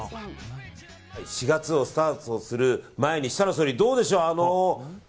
４月をスタートする前に設楽総理、どうでしょう。